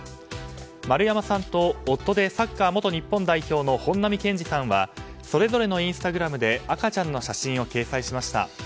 丸山さんと、夫でサッカー元日本代表の本並健治さんはそれぞれのインスタグラムで赤ちゃんの写真を掲載しました。